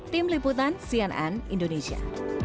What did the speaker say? tim liputan cnn indonesia